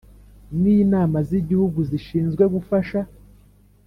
n’Inama z’Igihugu zishinzwe gufasha